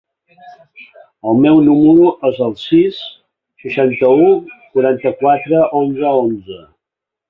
El meu número es el sis, seixanta-u, quaranta-quatre, onze, onze.